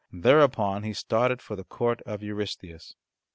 Thereupon, he started for the court of Eurystheus.